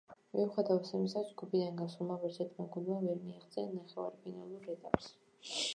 მიუხედავად ამისა, ჯგუფიდან გასულმა ვერცერთმა გუნდმა ვერ მიაღწია ნახევარფინალურ ეტაპს.